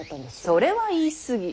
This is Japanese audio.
それは言い過ぎ。